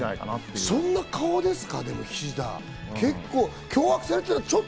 でもそんな顔ですか？